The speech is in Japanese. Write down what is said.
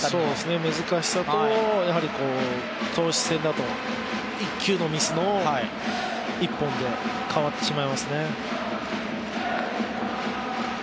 難しさと、やはり投手戦だと１球のミスの１本で変わってしまいますね。